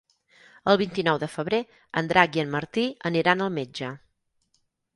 El vint-i-nou de febrer en Drac i en Martí aniran al metge.